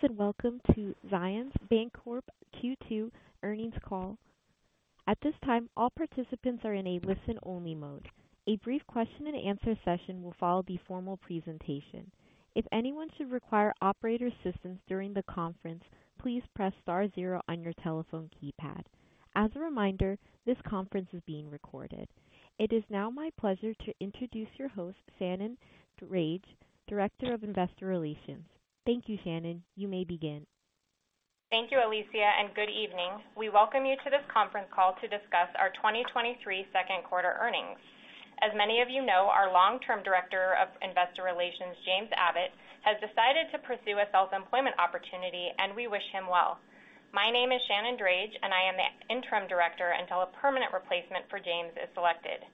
Greetings, and welcome to Zions Bancorporation Q2 earnings call. At this time, all participants are in a listen-only mode. A brief question and answer session will follow the formal presentation. If anyone should require operator assistance during the conference, please press star zero on your telephone keypad. As a reminder, this conference is being recorded. It is now my pleasure to introduce your host, Shannon Drage, Director of Investor Relations. Thank you, Shannon. You may begin. Thank you, Alicia, and good evening. We welcome you to this conference call to discuss our 2023 2nd quarter earnings. As many of you know, our long-term Director of Investor Relations, James Abbott, has decided to pursue a self-employment opportunity, and we wish him well. My name is Shannon Drage, and I am the interim director until a permanent replacement for James is selected.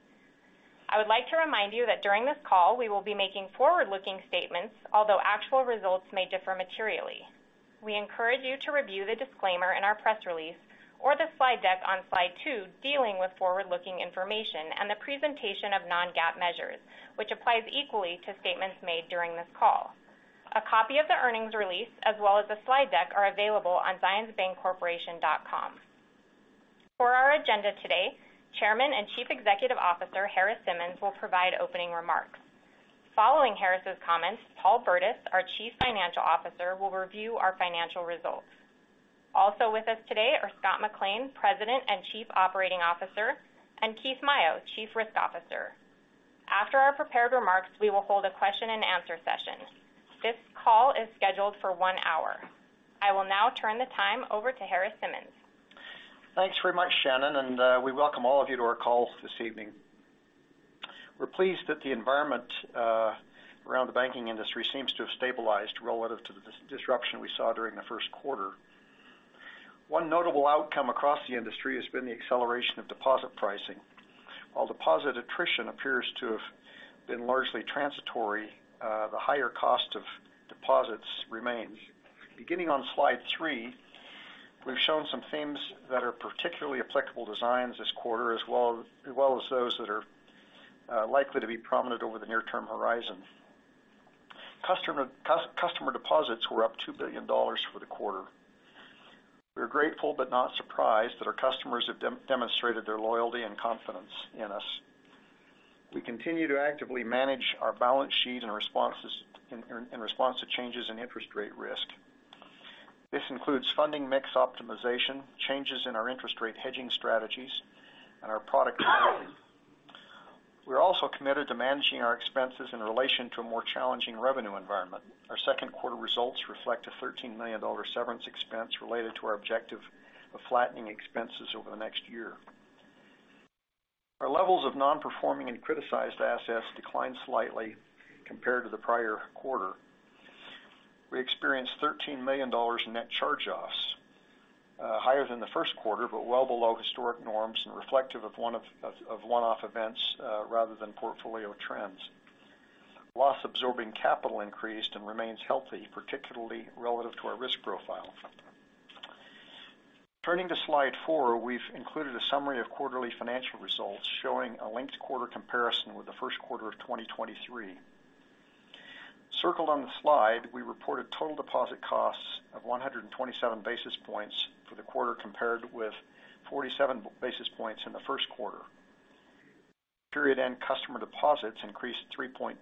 I would like to remind you that during this call, we will be making forward-looking statements, although actual results may differ materially. We encourage you to review the disclaimer in our press release or the slide deck on slide two, dealing with forward-looking information and the presentation of Non-GAAP measures, which applies equally to statements made during this call. A copy of the earnings release, as well as the slide deck, are available on zionsbancorporation.com. For our agenda today, Chairman and Chief Executive Officer, Harris Simmons, will provide opening remarks. Following Harris's comments, Paul Burdiss, our Chief Financial Officer, will review our financial results. Also with us today are Scott McLean, President and Chief Operating Officer, and Keith Maio, Chief Risk Officer. After our prepared remarks, we will hold a question and answer session. This call is scheduled for one hour. I will now turn the time over to Harris Simmons. Thanks very much, Shannon, and we welcome all of you to our call this evening. We're pleased that the environment around the banking industry seems to have stabilized relative to the disruption we saw during the first quarter. One notable outcome across the industry has been the acceleration of deposit pricing. While deposit attrition appears to have been largely transitory, the higher cost of deposits remains. Beginning on slide three, we've shown some themes that are particularly applicable to Zions this quarter, as well as those that are likely to be prominent over the near-term horizon. Customer deposits were up $2 billion for the quarter. We're grateful but not surprised that our customers have demonstrated their loyalty and confidence in us. We continue to actively manage our balance sheet and responses. in response to changes in interest rate risk. This includes funding mix optimization, changes in our interest rate hedging strategies, and our product strategy. We're also committed to managing our expenses in relation to a more challenging revenue environment. Our second quarter results reflect a $13 million severance expense related to our objective of flattening expenses over the next year. Our levels of non-performing and criticized assets declined slightly compared to the prior quarter. We experienced $13 million in net charge-offs, higher than the first quarter, but well below historic norms and reflective of one of one-off events, rather than portfolio trends. Loss-absorbing capital increased and remains healthy, particularly relative to our risk profile. Turning to slide four, we've included a summary of quarterly financial results showing a linked quarter comparison with the first quarter of 2023. Circled on the slide, we reported total deposit costs of 127 basis points for the quarter, compared with 47 basis points in the first quarter. Period-end customer deposits increased 3.2%.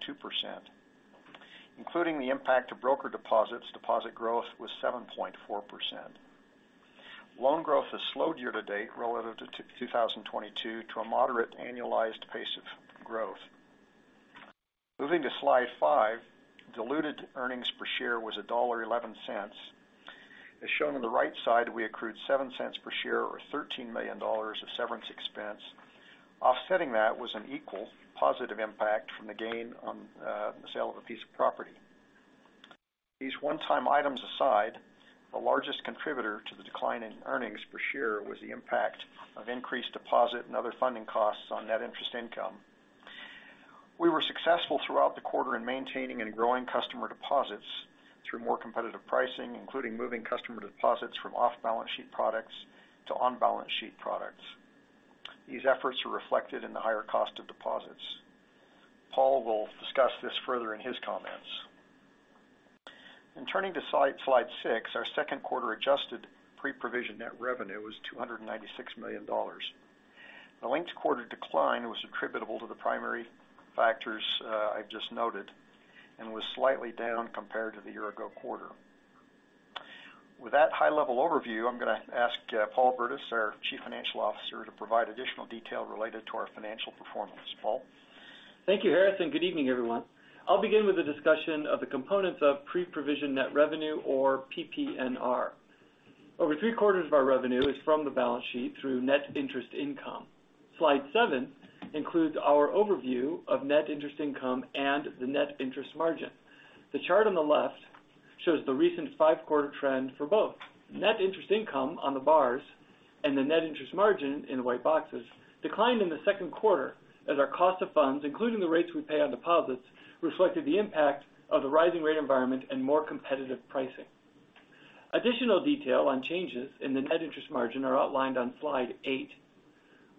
Including the impact of brokered deposits, deposit growth was 7.4%. Loan growth has slowed year to date relative to 2022, to a moderate annualized pace of growth. Moving to slide five, diluted earnings per share was $1.11. As shown on the right side, we accrued $0.07 per share or $13 million of severance expense. Offsetting that was an equal positive impact from the gain on the sale of a piece of property. These one-time items aside, the largest contributor to the decline in earnings per share was the impact of increased deposit and other funding costs on net interest income. We were successful throughout the quarter in maintaining and growing customer deposits through more competitive pricing, including moving customer deposits from off-balance sheet products to on-balance sheet products. These efforts are reflected in the higher cost of deposits. Paul will discuss this further in his comments. Turning to slide six, our second quarter adjusted pre-provision net revenue was $296 million. The linked quarter decline was attributable to the primary factors I've just noted and was slightly down compared to the year ago quarter. With that high-level overview, I'm going to ask Paul Burdiss, our Chief Financial Officer, to provide additional detail related to his financial performance. Paul? Thank you, Harris, and good evening, everyone. I'll begin with a discussion of the components of pre-provision net revenue, or PPNR. Over three-quarters of our revenue is from the balance sheet through net interest income. Slide seven includes our overview of net interest income and the net interest margin. The chart on the left shows the recent five-quarter trend for both. Net interest income on the bars and the net interest margin in white boxes declined in the second quarter as our cost of funds, including the rates we pay on deposits, reflected the impact of the rising rate environment and more competitive pricing. Additional detail on changes in the net interest margin are outlined on Slide eight.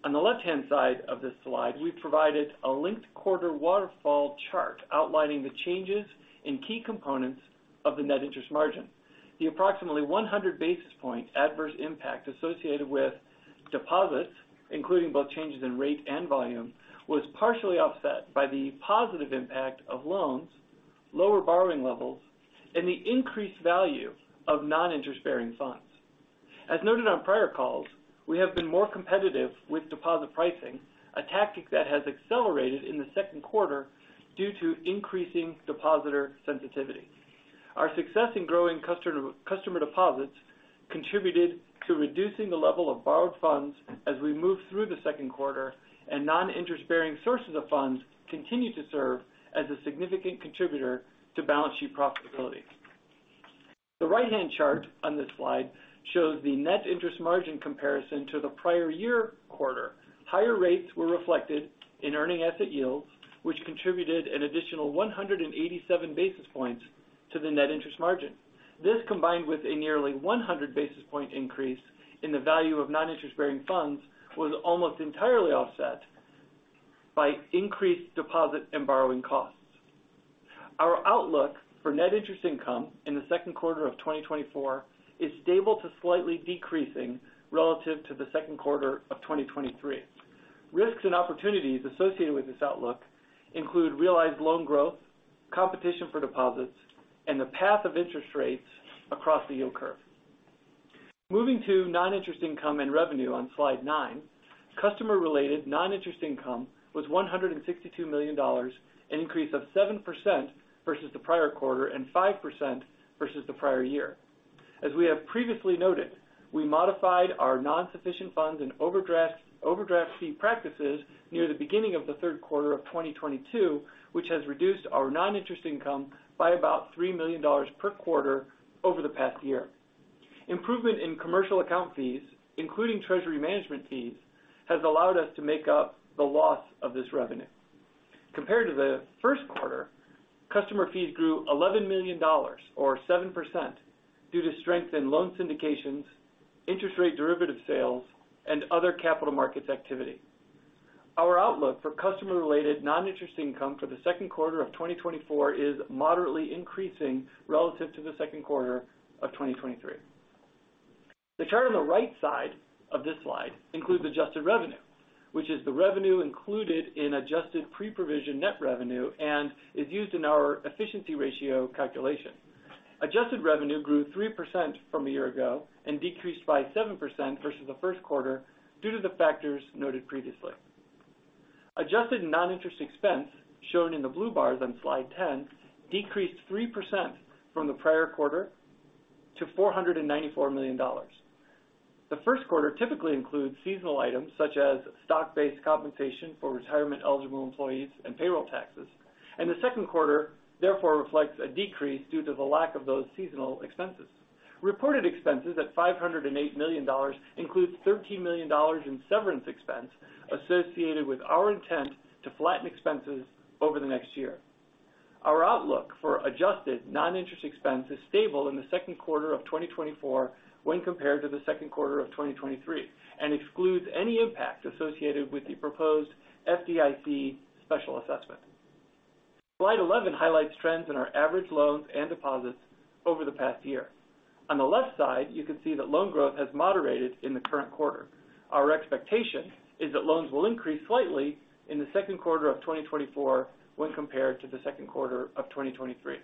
On the left-hand side of this slide, we've provided a linked quarter waterfall chart outlining the changes in key components of the net interest margin. The approximately 100 basis point adverse impact associated with deposits, including both changes in rate and volume, was partially offset by the positive impact of loans, lower borrowing levels, and the increased value of non-interest-bearing funds. As noted on prior calls, we have been more competitive with deposit pricing, a tactic that has accelerated in the second quarter due to increasing depositor sensitivity. Our success in growing customer deposits contributed to reducing the level of borrowed funds as we moved through the second quarter, and non-interest-bearing sources of funds continue to serve as a significant contributor to balance sheet profitability. The right-hand chart on this slide shows the net interest margin comparison to the prior year quarter. Higher rates were reflected in earning asset yields, which contributed an additional 187 basis points to the net interest margin. This, combined with a nearly 100 basis point increase in the value of non-interest-bearing funds, was almost entirely offset by increased deposit and borrowing costs. Our outlook for net interest income in the second quarter of 2024 is stable to slightly decreasing relative to the second quarter of 2023. Risks and opportunities associated with this outlook include realized loan growth, competition for deposits, and the path of interest rates across the yield curve. Moving to non-interest income and revenue on Slide nine, customer-related non-interest income was $162 million, an increase of 7% versus the prior quarter and 5% versus the prior year. As we have previously noted, we modified our non-sufficient funds and overdraft fee practices near the beginning of the third quarter of 2022, which has reduced our non-interest income by about $3 million per quarter over the past year. Improvement in commercial account fees, including treasury management fees, has allowed us to make up the loss of this revenue. Compared to the first quarter, customer fees grew $11 million, or 7%, due to strength in loan syndications, interest rate derivative sales, and other capital markets activity. Our outlook for customer-related non-interest income for the second quarter of 2024 is moderately increasing relative to the second quarter of 2023. The chart on the right side of this slide includes adjusted revenue, which is the revenue included in adjusted pre-provision net revenue and is used in our efficiency ratio calculation. Adjusted revenue grew 3% from a year ago and decreased by 7% versus the first quarter due to the factors noted previously. Adjusted non-interest expense, shown in the blue bars on Slide 10, decreased 3% from the prior quarter to $494 million. The first quarter typically includes seasonal items such as stock-based compensation for retirement-eligible employees and payroll taxes, and the second quarter therefore reflects a decrease due to the lack of those seasonal expenses. Reported expenses at $508 million includes $13 million in severance expense associated with our intent to flatten expenses over the next year. Our outlook for adjusted non-interest expense is stable in the second quarter of 2024 when compared to the second quarter of 2023, and excludes any impact associated with the proposed FDIC special assessment. Slide 11 highlights trends in our average loans and deposits over the past year. On the left side, you can see that loan growth has moderated in the current quarter. Our expectation is that loans will increase slightly in the second quarter of 2024 when compared to the second quarter of 2023.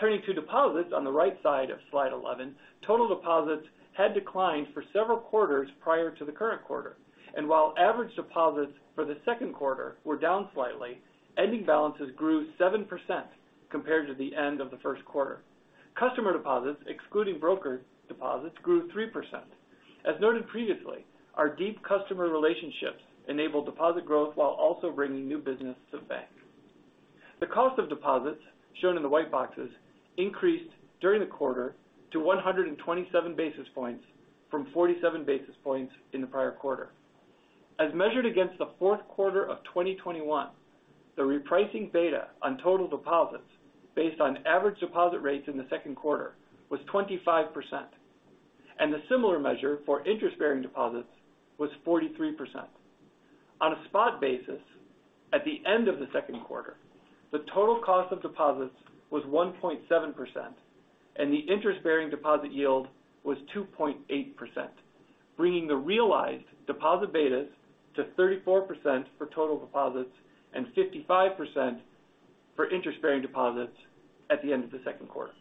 Turning to deposits on the right side of Slide 11, total deposits had declined for several quarters prior to the current quarter, and while average deposits for the second quarter were down slightly, ending balances grew 7% compared to the end of the first quarter. Customer deposits, excluding brokered deposits, grew 3%. As noted previously, our deep customer relationships enable deposit growth while also bringing new business to the bank. The cost of deposits, shown in the white boxes, increased during the quarter to 127 basis points from 47 basis points in the prior quarter. As measured against the fourth quarter of 2021, the repricing beta on total deposits based on average deposit rates in the second quarter was 25%, and the similar measure for interest-bearing deposits was 43%. On a spot basis, at the end of the second quarter, the total cost of deposits was 1.7%, and the interest-bearing deposit yield was 2.8%, bringing the realized deposit betas to 34% for total deposits and 55% for interest-bearing deposits at the end of the second quarter.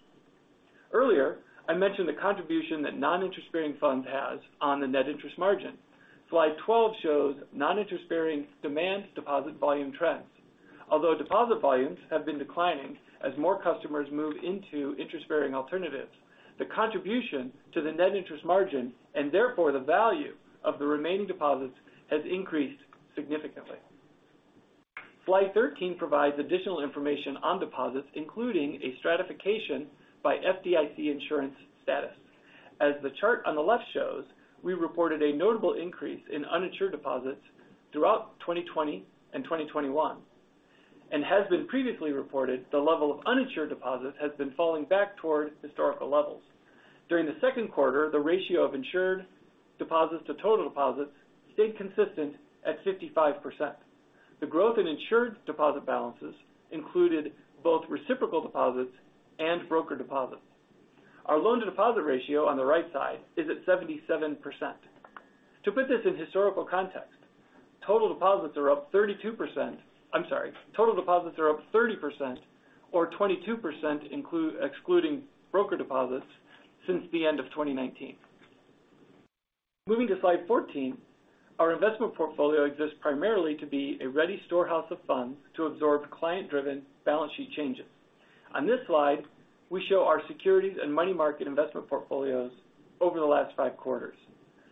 Earlier, I mentioned the contribution that non-interest-bearing funds has on the net interest margin. Slide 12 shows non-interest-bearing demand deposit volume trends. Although deposit volumes have been declining as more customers move into interest-bearing alternatives, the contribution to the net interest margin, and therefore the value of the remaining deposits, has increased significantly. Slide 13 provides additional information on deposits, including a stratification by FDIC insurance status. As the chart on the left shows, we reported a notable increase in uninsured deposits throughout 2020 and 2021. Has been previously reported, the level of uninsured deposits has been falling back toward historical levels. During the second quarter, the ratio of insured deposits to total deposits stayed consistent at 55%. The growth in insured deposit balances included both reciprocal deposits and brokered deposits. Our loan to deposit ratio on the right side is at 77%. To put this in historical context, total deposits are up 32%-- I'm sorry, total deposits are up 30% or 22%, including, excluding brokered deposits since the end of 2019. Moving to slide 14, our investment portfolio exists primarily to be a ready storehouse of funds to absorb client-driven balance sheet changes. On this slide, we show our securities and money market investment portfolios over the last five quarters.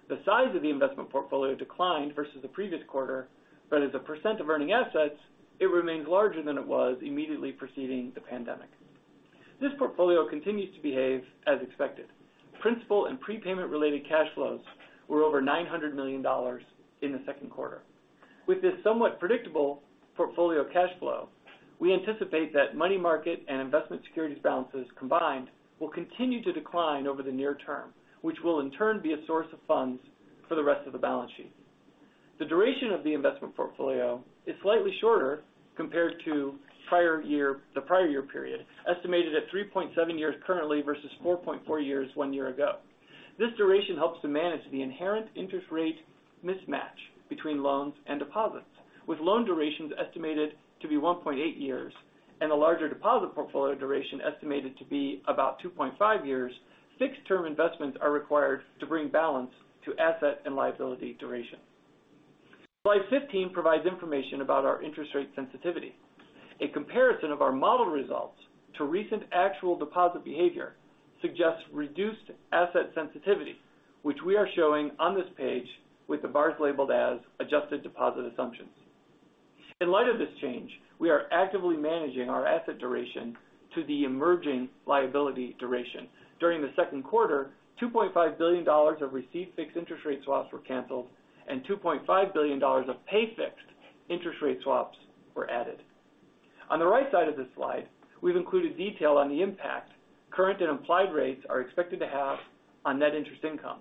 The size of the investment portfolio declined versus the previous quarter, but as a % of earning assets, it remains larger than it was immediately preceding the pandemic. This portfolio continues to behave as expected. Principal and prepayment-related cash flows were over $900 million in the second quarter. With this somewhat predictable portfolio cash flow, we anticipate that money market and investment securities balances combined will continue to decline over the near term, which will in turn be a source of funds for the rest of the balance sheet. The duration of the investment portfolio is slightly shorter compared to the prior year period, estimated at 3.7 years currently versus 4.4 years one year ago. This duration helps to manage the inherent interest rate mismatch between loans and deposits, with loan durations estimated to be 1.8 years and a larger deposit portfolio duration estimated to be about 2.5 years. Fixed-term investments are required to bring balance to asset and liability duration. Slide 15 provides information about our interest rate sensitivity. A comparison of our model results to recent actual deposit behavior suggests reduced asset sensitivity, which we are showing on this page with the bars labeled as adjusted deposit assumptions. In light of this change, we are actively managing our asset duration to the emerging liability duration. During the second quarter, $2.5 billion of receive-fixed interest rate swaps were canceled, and $2.5 billion of pay-fixed interest rate swaps were added. On the right side of this slide, we've included detail on the impact current and implied rates are expected to have on net interest income.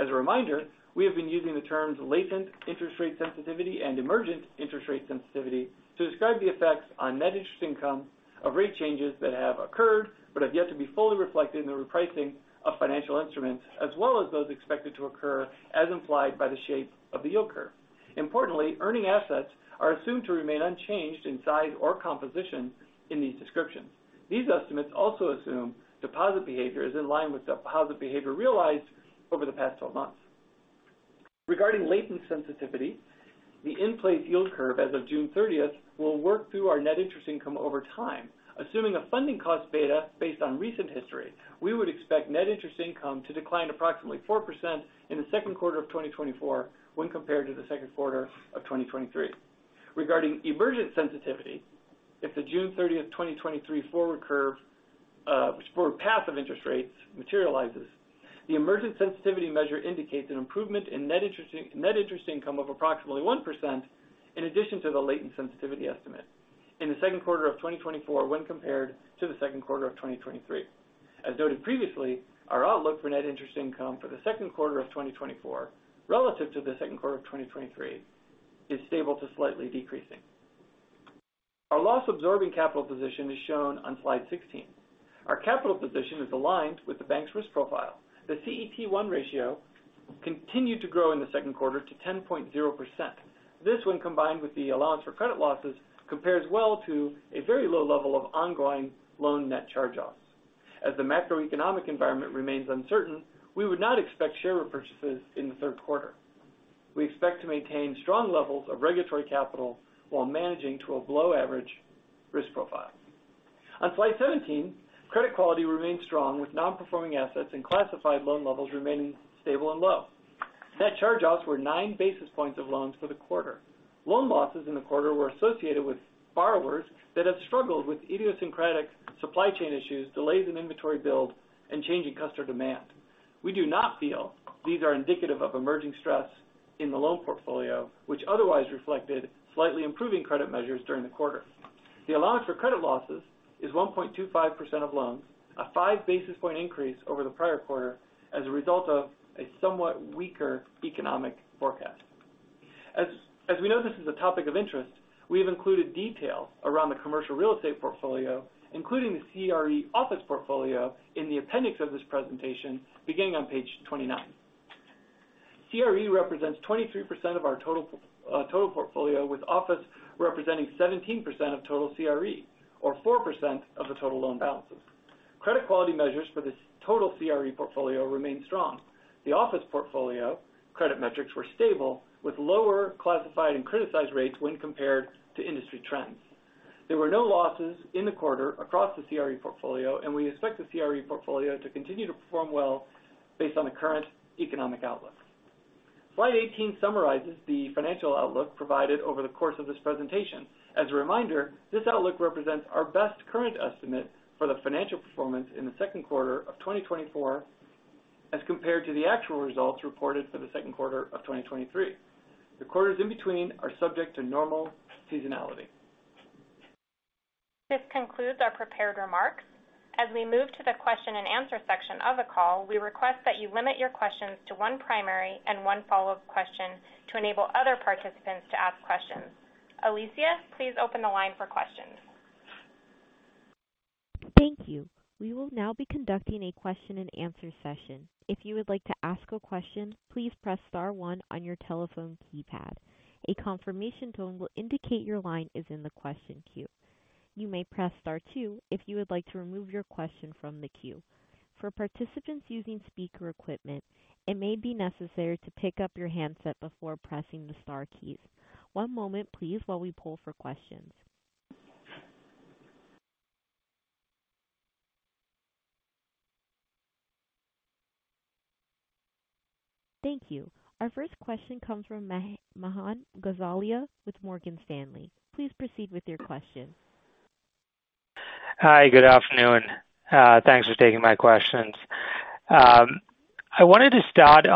As a reminder, we have been using the terms latent interest rate sensitivity and emergent interest rate sensitivity to describe the effects on net interest income of rate changes that have occurred, but have yet to be fully reflected in the repricing of financial instruments, as well as those expected to occur as implied by the shape of the yield curve. Importantly, earning assets are assumed to remain unchanged in size or composition in these descriptions. These estimates also assume deposit behavior is in line with how the behavior realized over the past 12 months. Regarding latent sensitivity, the in-place yield curve as of June thirtieth will work through our net interest income over time. Assuming a funding cost beta based on recent history, we would expect net interest income to decline approximately 4% in the second quarter of 2024 when compared to the second quarter of 2023. Regarding emergent sensitivity, if the June 30th, 2023 forward curve, forward path of interest rates materializes, the emergent sensitivity measure indicates an improvement in net interest income of approximately 1% in addition to the latent sensitivity estimate in the second quarter of 2024 when compared to the second quarter of 2023. Noted previously, our outlook for net interest income for the second quarter of 2024 relative to the second quarter of 2023 is stable to slightly decreasing. Our loss-absorbing capital position is shown on slide 16. Our capital position is aligned with the bank's risk profile. The CET1 ratio continued to grow in the second quarter to 10.0%. This, when combined with the allowance for credit losses, compares well to a very low level of ongoing loan net charge-offs. As the macroeconomic environment remains uncertain, we would not expect share repurchases in the third quarter. We expect to maintain strong levels of regulatory capital while managing to a below-average risk profile. On slide 17, credit quality remains strong, with non-performing assets and classified loan levels remaining stable and low. Net charge-offs were 9 basis points of loans for the quarter. Loan losses in the quarter were associated with borrowers that have struggled with idiosyncratic supply chain issues, delays in inventory build, and changing customer demand. We do not feel these are indicative of emerging stress in the loan portfolio, which otherwise reflected slightly improving credit measures during the quarter. The allowance for credit losses is 1.25% of loans, a 5 basis point increase over the prior quarter as a result of a somewhat weaker economic forecast. As we know, this is a topic of interest, we have included details around the commercial real estate portfolio, including the CRE office portfolio, in the appendix of this presentation, beginning on page 29. CRE represents 23% of our total portfolio, with office representing 17% of total CRE or 4% of the total loan balances. Credit quality measures for this total CRE portfolio remain strong. The office portfolio credit metrics were stable, with lower classified and criticized rates when compared to industry trends. There were no losses in the quarter across the CRE portfolio, we expect the CRE portfolio to continue to perform well based on the current economic outlook. Slide 18 summarizes the financial outlook provided over the course of this presentation. As a reminder, this outlook represents our best current estimate for the financial performance in the second quarter of 2024 as compared to the actual results reported for the second quarter of 2023. The quarters in between are subject to normal seasonality. This concludes our prepared remarks. As we move to the question and answer section of the call, we request that you limit your questions to one primary and one follow-up question to enable other participants to ask questions. Alicia, please open the line for questions. Thank you. We will now be conducting a question and answer session. If you would like to ask a question, please press star one on your telephone keypad. A confirmation tone will indicate your line is in the question queue. You may press star two if you would like to remove your question from the queue. For participants using speaker equipment, it may be necessary to pick up your handset before pressing the star keys. One moment, please, while we pull for questions. Thank you. Our first question comes from Manan Gosalia with Morgan Stanley. Please proceed with your question. Hi, good afternoon. Thanks for taking my questions. I wanted to start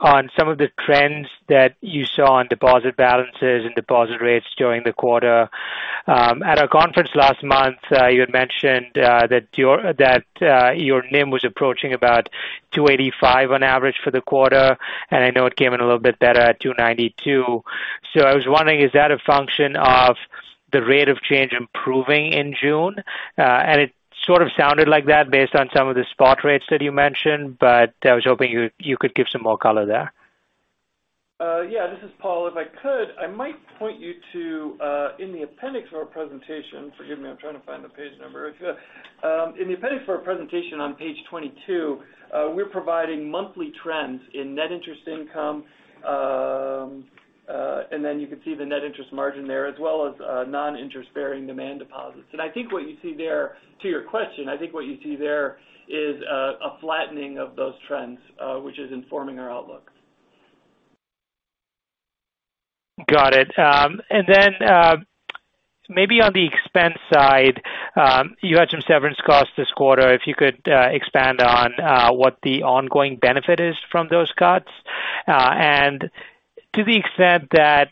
on some of the trends that you saw on deposit balances and deposit rates during the quarter. At our conference last month, you had mentioned that your NIM was approaching about 2.85% on average for the quarter, and I know it came in a little bit better at 2.92%. I was wondering, is that a function of the rate of change improving in June? It sort of sounded like that based on some of the spot rates that you mentioned, but I was hoping you could give some more color there. Yeah, this is Paul. If I could, I might point you to, in the appendix of our presentation. Forgive me, I'm trying to find the page number. If, in the appendix for our presentation on page 22, we're providing monthly trends in net interest income. Then you can see the net interest margin there, as well as, non-interest-bearing demand deposits. I think what you see there, to your question, I think what you see there is a flattening of those trends, which is informing our outlook. Got it. Maybe on the expense side, you had some severance costs this quarter. If you could expand on what the ongoing benefit is from those cuts? To the extent that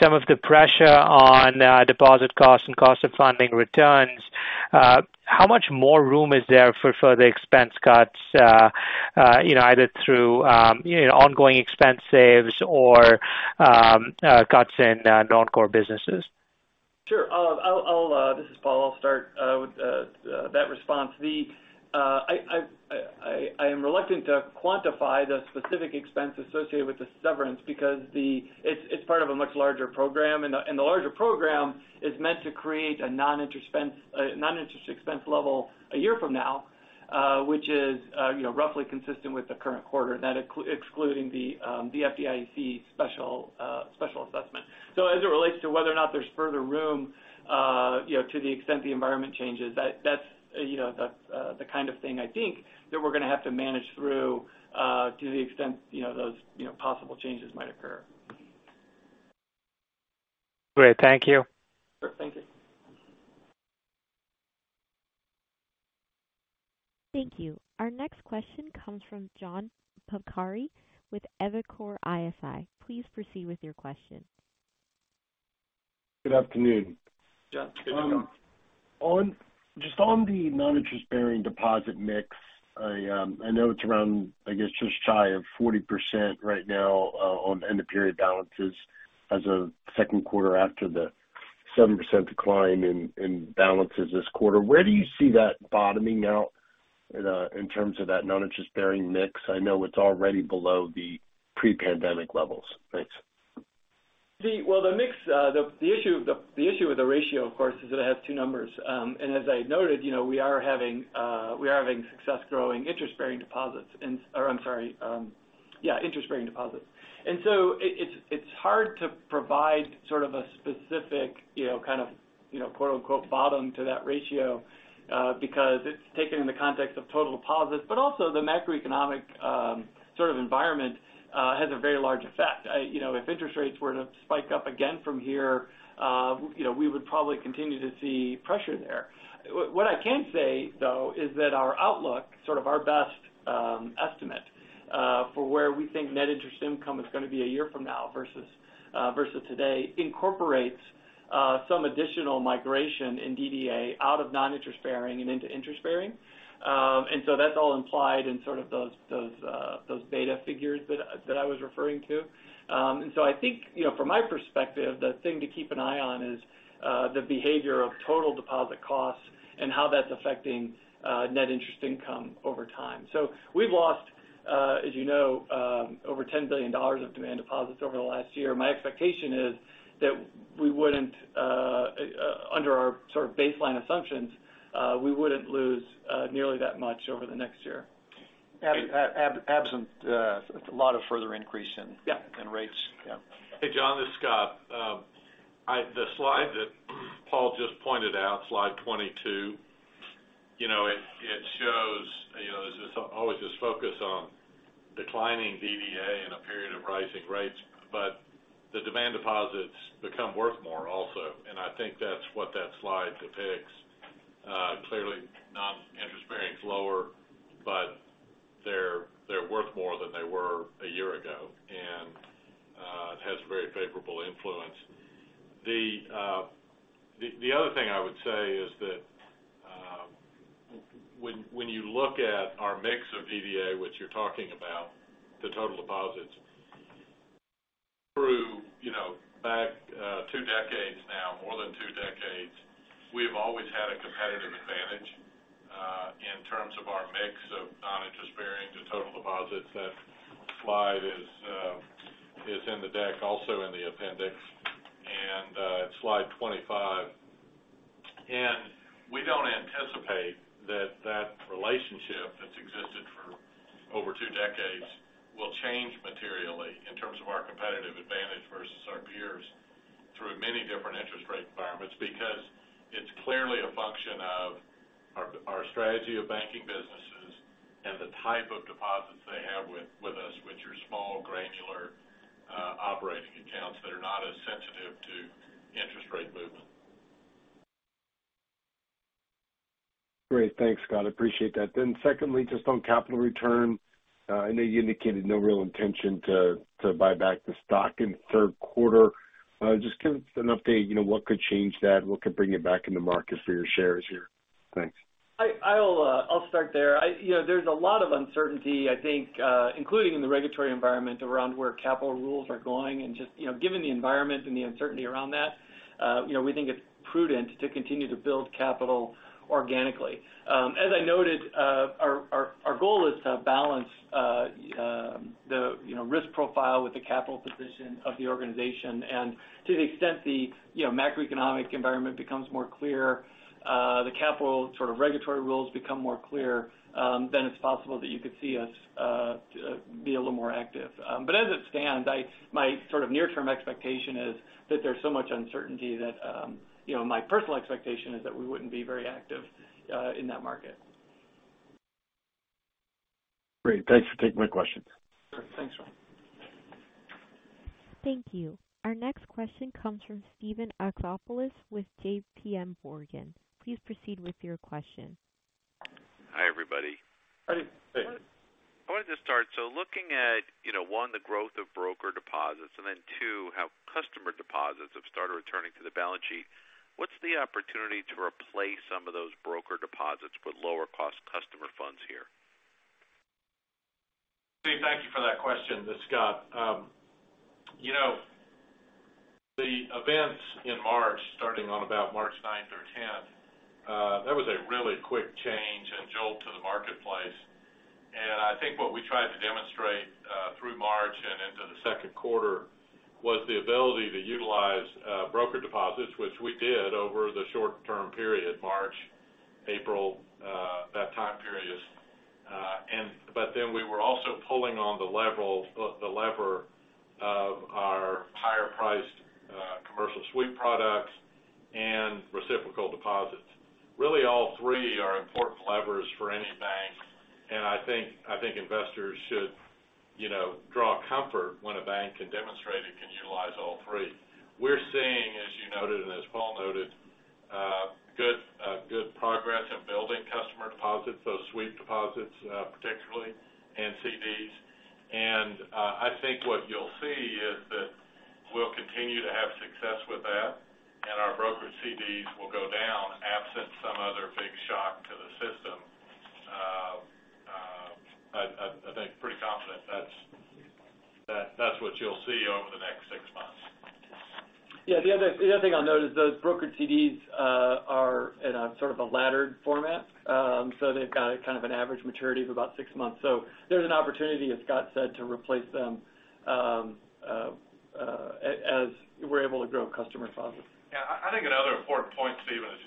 some of the pressure on deposit costs and cost of funding returns, how much more room is there for further expense cuts, either through, you know, ongoing expense saves or cuts in non-core businesses? Sure. I'll, this is Paul. I'll start with that response. I am reluctant to quantify the specific expense associated with the severance because it's part of a much larger program, and the larger program is meant to create a non-interest expense non-interest expense level a year from now, which is, you know, roughly consistent with the current quarter, excluding the FDIC special assessment. As it relates to whether or not there's further room, you know, to the extent the environment changes, that's, you know, the kind of thing I think that we're going to have to manage through, to the extent, you know, those, you know, possible changes might occur. Great. Thank you. Sure. Thank you. Thank you. Our next question comes from John Pancari with Evercore ISI. Please proceed with your question. Good afternoon. John, good afternoon. Just on the non-interest-bearing deposit mix, I know it's around, I guess, just shy of 40% right now, on end-of-period balances as of second quarter, after the 7% decline in balances this quarter. Where do you see that bottoming out in terms of that non-interest-bearing mix? I know it's already below the pre-pandemic levels. Thanks. Well, the mix, the issue with the ratio, of course, is that it has two numbers. As I noted, you know, we are having success growing interest-bearing deposits in. Or I'm sorry, yeah, interest-bearing deposits. So it's hard to provide sort of a specific, you know, kind of, you know, quote, unquote, "bottom" to that ratio because it's taken in the context of total deposits, but also the macroeconomic sort of environment has a very large effect. You know, if interest rates were to spike up again from here, you know, we would probably continue to see pressure there. What I can say, though, is that our outlook, sort of our best estimate for where we think net interest income is going to be a year from now versus today, incorporates some additional migration in DDA out of non-interest-bearing and into interest-bearing. That's all implied in sort of those beta figures that I was referring to. I think, you know, from my perspective, the thing to keep an eye on is the behavior of total deposit costs and how that's affecting net interest income over time. We've lost, as you know, over $10 billion of demand deposits over the last year. My expectation is that we wouldn't under our sort of baseline assumptions, we wouldn't lose nearly that much over the next year. Absent a lot of further increase. Yeah. in rates. Yeah. Hey, John, this is Scott. The slide that Paul just pointed out, slide 22, you know, it shows, you know, as I always just focus on declining DDA in a period of rising rates, but the demand deposits become worth more also, and I think that's what that slide depicts. Clearly, non-interest bearing is lower, but they're worth more than they were a year ago, and it has a very favorable influence. The other thing I would say is that when you look at our mix of DDA, which you're talking about, the total deposits, through, you know, back two decades now, more than two decades, we have always had a competitive advantage in terms of our mix of non-interest bearing to total deposits. That slide is in the deck, also in the appendix, and it's slide 25. We don't anticipate that relationship that's existed for over two decades will change materially in terms of our competitive advantage versus our peers through many different interest rate environments, because it's clearly a function of our strategy of banking businesses and the type of deposits they have with us, which are small, granular, operating accounts that are not as sensitive to interest rate movement. Great. Thanks, Scott. I appreciate that. Secondly, just on capital return, I know you indicated no real intention to buy back the stock in the third quarter. Just give us an update, you know, what could change that? What could bring you back in the market for your shares here? Thanks. I'll start there. You know, there's a lot of uncertainty, I think, including in the regulatory environment, around where capital rules are going. Just, you know, given the environment and the uncertainty around that, you know, we think it's prudent to continue to build capital organically. As I noted, our goal is to balance, the, you know, risk profile with the capital position of the organization. To the extent the, you know, macroeconomic environment becomes more clear, the capital sort of regulatory rules become more clear, then it's possible that you could see us be a little more active. As it stands, my sort of near-term expectation is that there's so much uncertainty that, you know, my personal expectation is that we wouldn't be very active in that market. Great. Thanks for taking my questions. Sure. Thanks, John. Thank you. Our next question comes from Steven Alexopoulos with JPMorgan. Please proceed with your question. Hi, everybody. Hi, hey. I wanted to start, so looking at, you know, one, the growth of brokered deposits, and then two, how customer deposits have started returning to the balance sheet, what's the opportunity to replace some of those brokered deposits with lower-cost customer funds here? Steve, thank you for that question. It's Scott. You know, the events in March, starting on about March 9th or 10th, there was a really quick change and jolt to the marketplace. I think what we tried to demonstrate through March and into the second quarter was the ability to utilize brokered deposits, which we did over the short-term period, March, April, that time period. We were also pulling on the lever of our higher-priced commercial sweep products and reciprocal deposits. Really, all three are important levers for any bank, I think investors should, you know, draw comfort when a bank can demonstrate it can utilize all three. We're seeing, as you noted, as Paul noted, good progress in building customer deposits, those sweep deposits, particularly, and CDs. I think what you'll see is that we'll continue to have success with that, and our broker CDs will go down absent some other big shock to the system. I think pretty confident that's what you'll see over the next six months. The other thing I'll note is those broker CDs are in a sort of a laddered format. They've got kind of an average maturity of about 6 months. There's an opportunity, as Scott said, to replace them as we're able to grow customer deposits. Yeah, I think another important point, Steven, is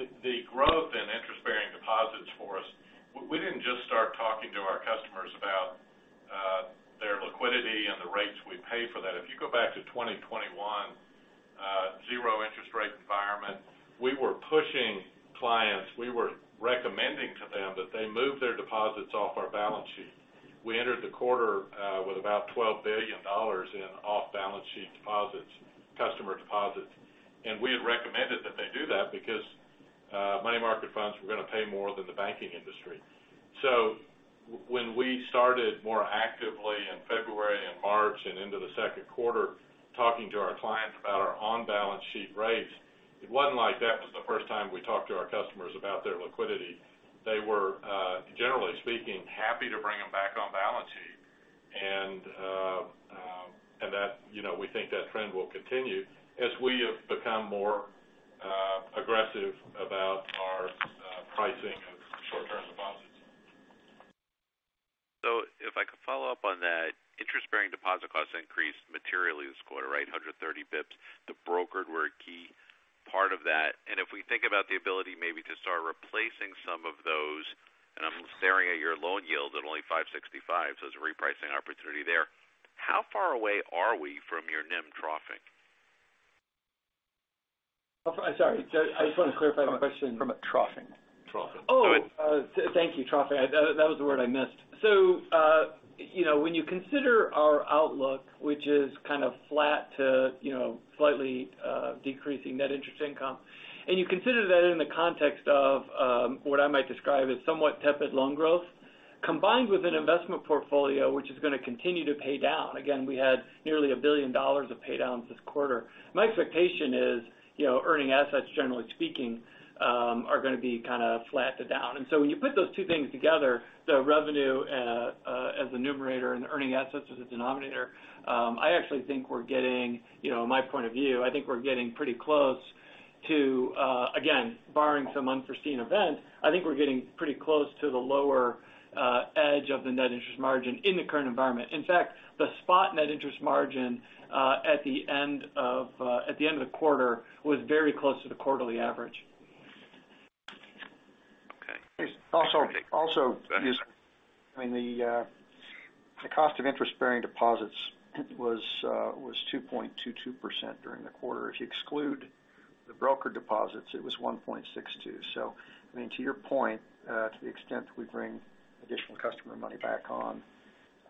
the growth in interest-bearing deposits for us. We didn't just start talking to our customers about their liquidity and the rates we pay for that. If you go back to 2021, zero interest rate environment, we were pushing clients, we were recommending to them that they move their deposits off our balance sheet. We entered the quarter with about $12 billion in off-balance sheet deposits, customer deposits, and we had recommended that they do that because money market funds were going to pay more than the banking industry. When we started more actively in February and March and into the second quarter, talking to our clients about our on-balance sheet rates, it wasn't like that was the first time we talked to our customers about their liquidity. They were, generally speaking, happy to bring them back on balance sheet. That, you know, we think that trend will continue as we have become more aggressive about our pricing of short-term deposits. If I could follow up on that, interest-bearing deposit costs increased materially this quarter, right, 130 basis points. The brokered were a key part of that. If we think about the ability maybe to start replacing some of those, and I'm staring at your loan yield at only 5.65%, so there's a repricing opportunity there. How far away are we from your NIM troughing? Oh, sorry. I just want to clarify my question. From troughing. Troughing. Oh, thank you. Troughing. That was the word I missed. You know, when you consider our outlook, which is kind of flat to, you know, slightly decreasing net interest income, and you consider that in the context of what I might describe as somewhat tepid loan growth, combined with an investment portfolio, which is going to continue to pay down. Again, we had nearly $1 billion of pay downs this quarter. My expectation is, you know, earning assets, generally speaking, are going to be kind of flat to down. When you put those two things together, the revenue, as the numerator and the earning assets as a denominator, I actually think we're getting, you know, my point of view, I think we're getting pretty close to, again, barring some unforeseen event, I think we're getting pretty close to the lower edge of the net interest margin in the current environment. In fact, the spot net interest margin, at the end of, at the end of the quarter was very close to the quarterly average. Okay. Also, I mean, the cost of interest-bearing deposits was 2.22% during the quarter. If you exclude the brokered deposits, it was 1.62%. I mean, to your point, to the extent we bring additional customer money back on,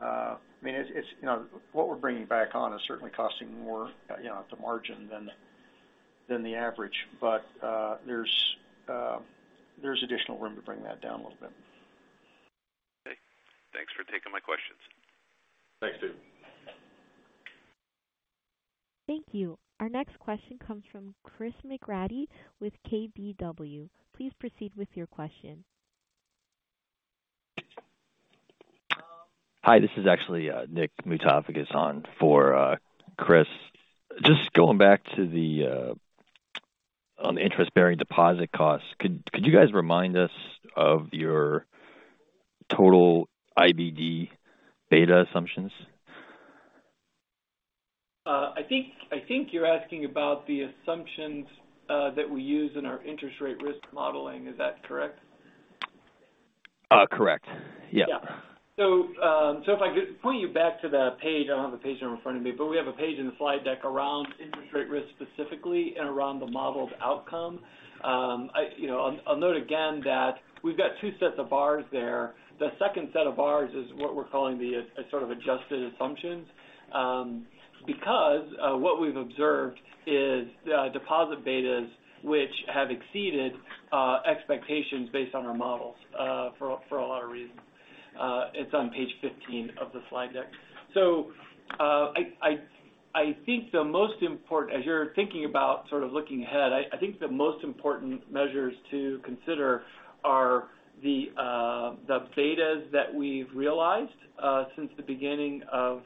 I mean, it's, you know, what we're bringing back on is certainly costing more, you know, at the margin than the average, but there's additional room to bring that down a little bit. Okay. Thanks for taking my questions. Thanks, Steven. Thank you. Our next question comes from Chris McGratty with KBW. Please proceed with your question. Hi, this is actually Nick Moutafakis on for Chris. Just going back on the interest-bearing deposit costs, could you guys remind us of your total IBD beta assumptions? I think you're asking about the assumptions that we use in our interest rate risk modeling. Is that correct? Correct. Yeah. Yeah. If I could point you back to the page, I don't have the page in front of me, but we have a page in the slide deck around interest rate risk, specifically, and around the modeled outcome. You know, I'll note again that we've got two sets of bars there. The second set of bars is what we're calling the, a sort of adjusted assumptions, because what we've observed is deposit betas, which have exceeded expectations based on our models, for a lot of reasons. It's on page 15 of the slide deck. As you're thinking about sort of looking ahead, I think the most important measures to consider are the betas that we've realized since the beginning of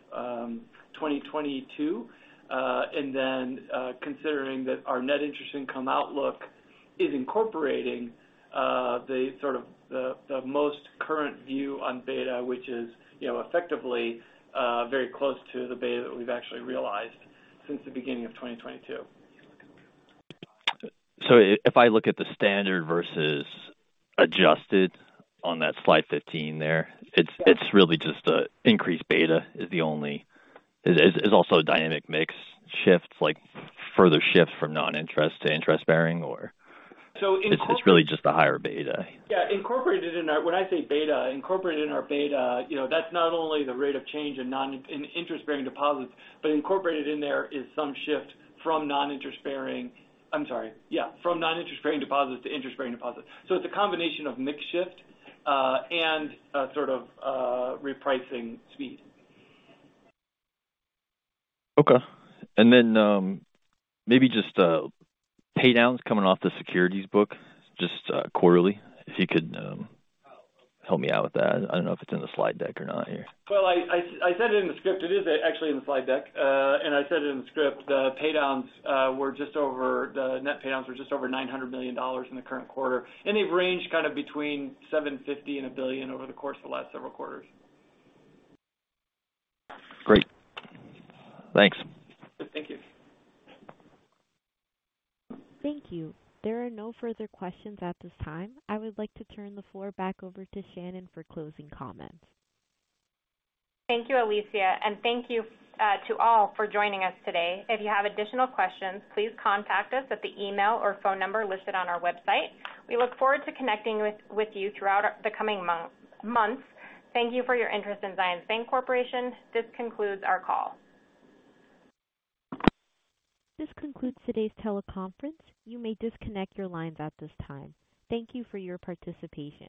2022, and then considering that our net interest income outlook is incorporating the sort of, the most current view on beta, which is, you know, effectively, very close to the beta that we've actually realized since the beginning of 2022. If I look at the standard versus adjusted on that slide 15 there, it's really just the increased beta is the only... It's also a dynamic mix shifts, like further shifts from non-interest to interest-bearing... So in- It's really just a higher beta. Yeah, incorporated in our When I say beta, incorporated in our beta, you know, that's not only the rate of change in interest-bearing deposits, but incorporated in there is some shift from non-interest-bearing. I'm sorry. Yeah, from non-interest-bearing deposits to interest-bearing deposits. It's a combination of mix shift and sort of repricing speed. Okay. Maybe just pay downs coming off the securities book, just quarterly, if you could help me out with that. I don't know if it's in the slide deck or not here. Well, I said it in the script. It is actually in the slide deck. I said it in the script. The pay downs, the net pay downs were just over $900 million in the current quarter, they've ranged kind of between $750 and $1 billion over the course of the last several quarters. Great. Thanks. Thank you. Thank you. There are no further questions at this time. I would like to turn the floor back over to Shannon for closing comments. Thank you, Alicia, and thank you to all for joining us today. If you have additional questions, please contact us at the email or phone number listed on our website. We look forward to connecting with you throughout the coming months. Thank you for your interest in Zions Bancorporation. This concludes our call. This concludes today's teleconference. You may disconnect your lines at this time. Thank you for your participation.